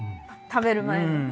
食べる前にね。